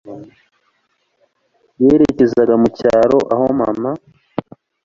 yerekezaga mucyaro aho mama